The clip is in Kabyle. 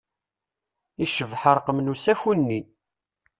Icbeḥ ṛṛqem n usaku-nni.